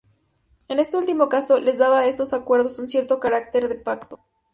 En este último caso, les daba a estos acuerdos un cierto carácter de pacto.